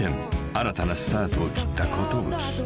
新たなスタートを切った寿］